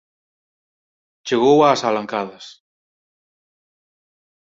chegou ás alancadas.